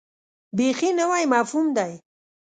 بیخي نوی مفهوم دی.